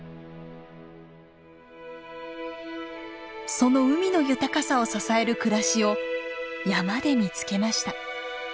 その海の豊かさを支える暮らしを山で見つけました。